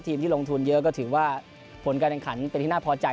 ที่ลงทุนเยอะก็ถือว่าผลการแข่งขันเป็นที่น่าพอใจ